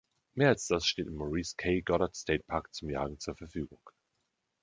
Mehr als das steht im Maurice K. Goddard State Park zum Jagen zur Verfügung.